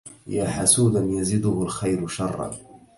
يا حسودا يزيده الخير شرا